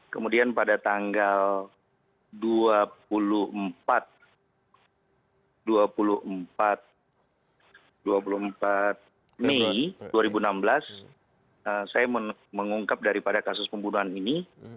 kemudian pada tanggal dua puluh empat dua puluh empat mei dua ribu enam belas saya mengungkap daripada kasus pembunuhan ini